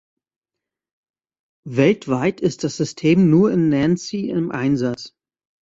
Weltweit ist das System nur in Nancy im Einsatz.